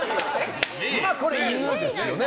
これは犬ですよね。